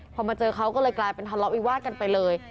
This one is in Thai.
พอมาเจอเขาก็เลยกลายเป็นทะเลาะวิวาสกันไปเลย